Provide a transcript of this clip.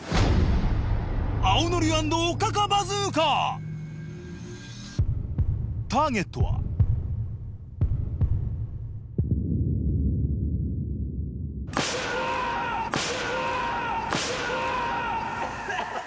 青のり＆おかかバズーカターゲットはうわぁ！